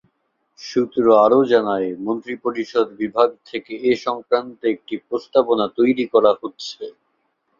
সূত্র আরও জানায়, মন্ত্রিপরিষদ বিভাগ থেকে এ সংক্রান্ত একটি প্রস্তাবনা তৈরি করা হচ্ছে।